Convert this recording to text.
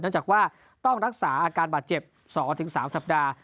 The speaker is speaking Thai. จากว่าต้องรักษาอาการบาดเจ็บ๒๓สัปดาห์